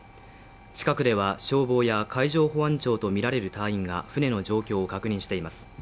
近くでは消防や海上保安庁とみられる隊員が船の状況を確認しています。